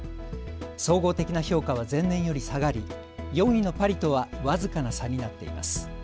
総合的な評価は前年より下がり４位のパリとは僅かな差になっています。